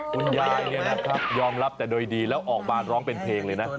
คุณยายเนี่ยนะครับยอมรับแต่โดยดีแล้วออกมาร้องเป็นเพลงเลยนะ